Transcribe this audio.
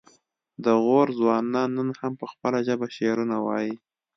د غور ځوانان نن هم په خپله ژبه شعرونه وايي